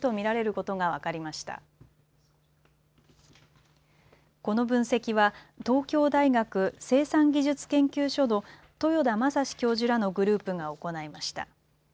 この分析は東京大学生産技術研究所の豊田正史教授らのグループが行いました。